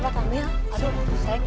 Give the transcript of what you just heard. gak apa apa sih